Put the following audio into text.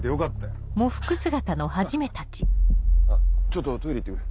ちょっとトイレ行って来る。